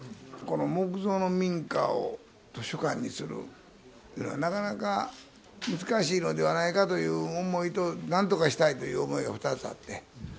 この木造の民家を図書館にするっていうのは、なかなか難しいのではないかという思いと、なんとかしたいという思いが２つあって。